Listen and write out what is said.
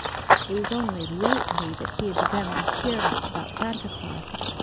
It was only lately that he had begun to hear much about Santa Claus.